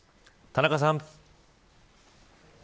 田中さん。